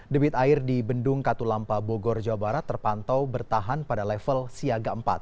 debit air di bendung katulampa bogor jawa barat terpantau bertahan pada level siaga empat